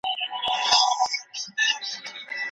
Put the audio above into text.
په دې لارو کې شر دی.